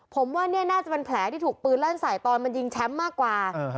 ผมว่านี่น่าจะเป็นแผลที่ถูกปืนลั่นใส่ตอนมันยิงแชมป์มากกว่า